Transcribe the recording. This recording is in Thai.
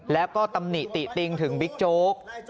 แล้วก็ตำหนิติติงถึงบิ๊กโจ๊ก